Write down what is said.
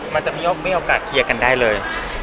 มันจะมีโอกาสเคลียร์กันได้เลย